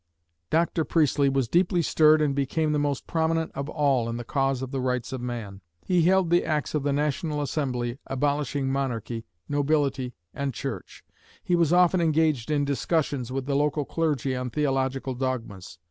Dr. Priestley was deeply stirred and became the most prominent of all in the cause of the rights of man. He hailed the acts of the National Assembly abolishing monarchy, nobility and church. He was often engaged in discussions with the local clergy on theological dogmas.